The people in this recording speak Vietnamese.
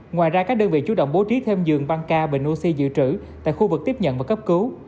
ngoài ra các đơn vị chú động bố trí thêm dường văn ca bệnh oxy dự trữ tại khu vực tiếp nhận và cấp cứu